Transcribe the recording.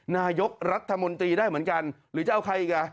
นายกรัฐมนตรีได้เหมือนกันหรือจะเอาใครอีกอ่ะ